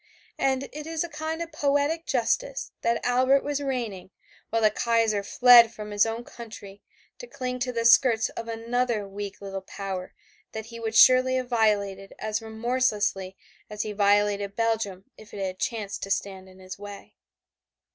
And it is a kind of poetic justice that Albert was reigning, while the Kaiser fled from his own country to cling to the skirts of another weak little power that he would surely have violated as remorselessly as he violated Belgium if it had chanced to stand in his way.